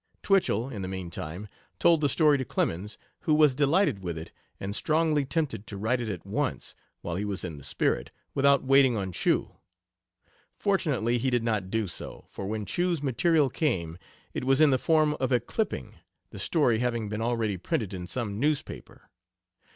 Twichell, in the mean time, told the story to Clemens, who was delighted with it and strongly tempted to write it at once, while he was in the spirit, without waiting on Chew. Fortunately, he did not do so, for when Chew's material came it was in the form of a clipping, the story having been already printed in some newspaper.